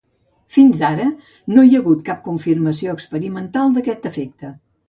Fins ara, no hi ha hagut cap confirmació experimental d'aquest efecte.